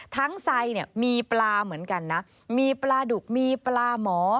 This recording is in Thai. ไซเนี่ยมีปลาเหมือนกันนะมีปลาดุกมีปลาหมอ